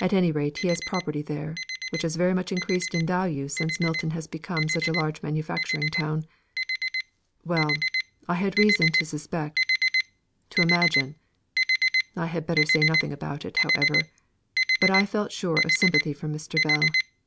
At any rate he has property there, which has very much increased in value since Milton has become such a large manufacturing town. Well; I had reason to suspect to imagine I had better say nothing about it, however. But I felt sure of sympathy from Mr. Bell.